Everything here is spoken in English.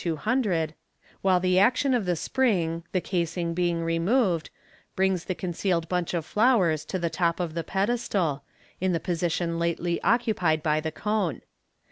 200), while the action of the spring, the casing being removed, brings the concealed bunch of flowers to the top of Fig. 20a MODERN MAGTC* 367 the pedestal, in the position lately occupied by the cone.